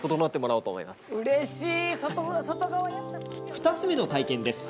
２つ目の体験です。